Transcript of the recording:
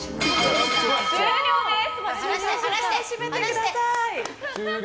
終了です。